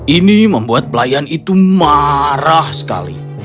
ini membuat pelayan itu marah sekali